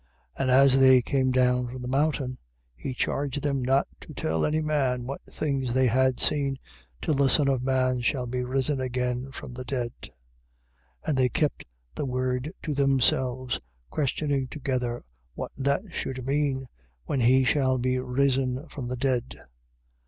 9:8. And as they came down from the mountain, he charged them not to tell any man what things they had seen, till the Son of man shall be risen again from the dead. 9:9. And they kept the word to themselves; questioning together what that should mean, when he shall be risen from the dead.